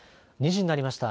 ２時になりました。